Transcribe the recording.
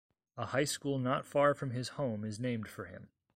A high school not far from his home is named for him.